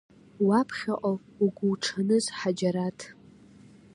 Уаԥхьаҟа угәуҽаныз, Ҳаџьараҭ!